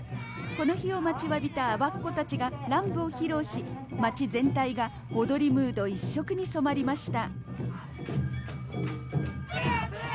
この日を待ちわびた阿波っ子たちが乱舞を披露し、街全体が踊りムード一色に染まりました。